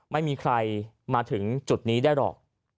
ไม่มีใครมาถึงจุดนี้ได้หรอก